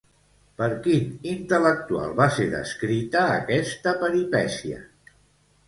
Per quin intel·lectual va ser descrita aquesta peripècia?